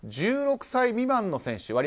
１６歳未満の選手